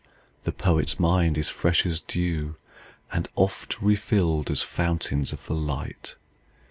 The poet's mind is fresh as dew, And oft refilled as fountains of the light.